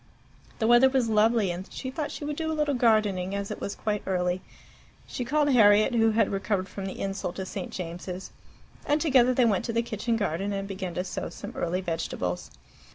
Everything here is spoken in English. The weather was lovely, and she thought she would do a little gardening, as it was quite early. She called Harriet, who had recovered from the insult to St. James's, and together they went to the kitchen garden and began to sow some early vegetables.